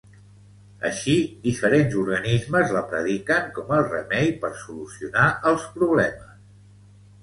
Així, diferents organismes la prediquen com el remei per solucionar els problemes.